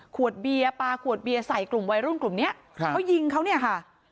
ขวดเบียร์ปลาขวดเบียร์ใส่กลุ่มวัยรุ่นกลุ่มเนี้ยครับเขายิงเขาเนี่ยค่ะ